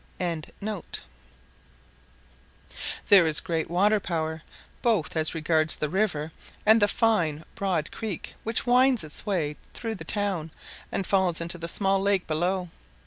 ] There is great water power, both as regards the river and the fine broad creek which winds its way through the town and falls into the small lake below.